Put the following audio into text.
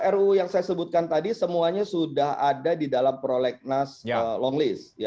ruu yang saya sebutkan tadi semuanya sudah ada di dalam prolegnas long list